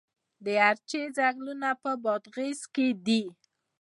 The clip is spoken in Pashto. د ارچې ځنګلونه په بادغیس کې دي؟